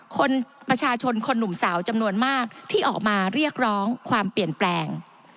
คนประชาชนคนหนุ่มสาวจำนวนมากที่ออกมาเรียกร้องความเปลี่ยนแปลง